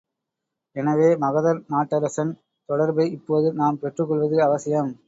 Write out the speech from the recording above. எனவே, மகத நாட்டரசன் தொடர்பை இப்போது நாம் பெற்றுக் கொள்வது அவசியம்.